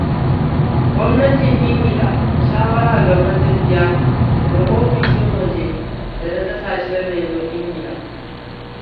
gwamnatin ingila - shawara ga matafiya daga offishin waje dana kasashen renon ingila.